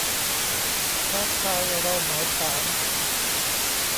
ท้าทายรอหมายศาล